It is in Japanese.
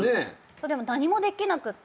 でも何もできなくって。